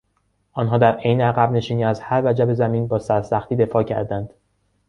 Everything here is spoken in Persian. آنها در حین عقبنشینی از هر وجب زمین با سرسختی دفاع کردند.